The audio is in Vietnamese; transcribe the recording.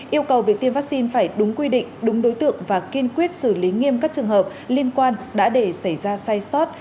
yêu cầu việc tiêm vaccine phải đúng quy định đúng đối tượng và kiên quyết xử lý nghiêm các trường hợp liên quan đã để xảy ra sai sót